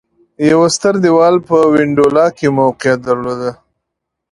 یو ستر دېوال په وینډولا کې موقعیت درلود